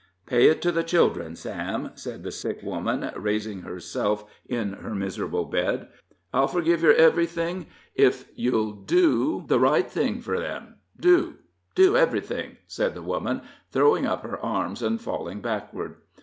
"Pay it to the children, Sam," said the sick woman, raising herself in her miserable bed. "I'll forgive yer everything if you'll do the right thing fur them. Do do everything!" said the woman, throwing up her arms and falling backward.